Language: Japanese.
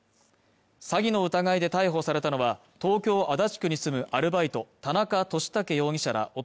詐欺の疑いで逮捕されたのは東京足立区に住むアルバイト田中利武容疑者ら男